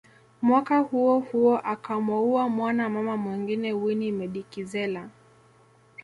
Mwaka huo huo akamoua mwana mama mwingine Winnie Medikizela